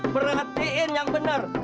perhatiin yang benar